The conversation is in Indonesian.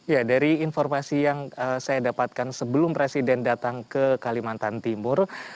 ya dari informasi yang saya dapatkan sebelum presiden datang ke kalimantan timur